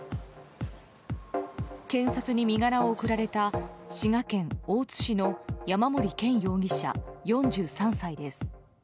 検察に身柄を送られた滋賀県大津市の山森健容疑者、４３歳です。